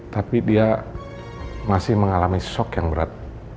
tapi dia masih mengalami shock yang berat